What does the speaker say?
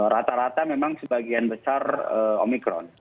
rata rata memang sebagian besar omikron